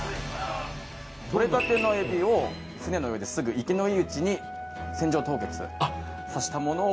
獲れたてのえびを船の上ですぐ活きのいいうちに船上凍結させたものを。